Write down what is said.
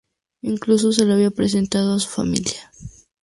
Incluso se la había presentado a su familia.